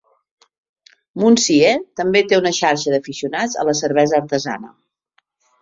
Muncie també té una xarxa d'aficionats a la cervesa artesana.